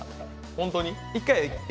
本当に？